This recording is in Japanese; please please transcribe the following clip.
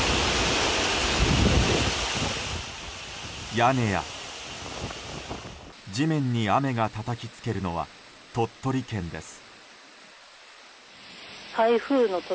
屋根や地面に雨がたたきつけるのは鳥取県です。